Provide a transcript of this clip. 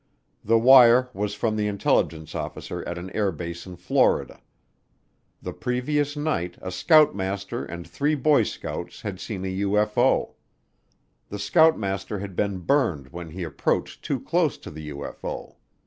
The wire was from the intelligence officer at an air base in Florida. The previous night a scoutmaster and three boy scouts had seen a UFO. The scoutmaster had been burned when he approached too close to the UFO.